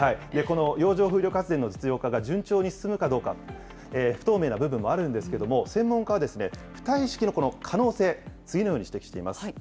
この洋上風力発電の実用化が順調に進むかどうか、不透明な部分もあるんですけれども、専門家は浮体式の可能性、次のように指摘しています。